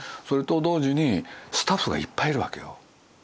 それと同時にスタッフがいっぱいいる訳よ。